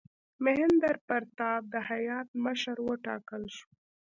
میهندراپراتاپ د هیات مشر وټاکل شو.